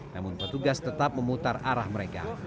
namun petugas tetap memutar arah mereka